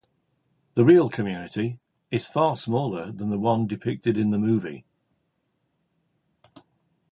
The real community is far smaller than the one depicted in the movie.